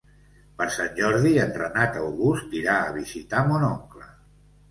Per Sant Jordi en Renat August irà a visitar mon oncle.